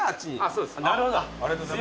そうです。